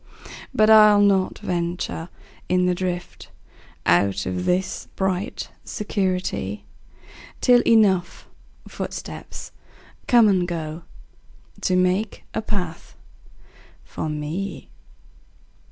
But I'll not venture in the driftOut of this bright security, Till enough footsteps come and goTo make a path for me.